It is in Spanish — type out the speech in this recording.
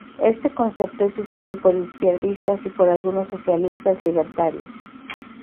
Este concepto es usado por izquierdistas y por algunos socialistas libertarios.